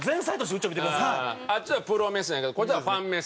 あっちはプロ目線やけどこっちはファン目線という。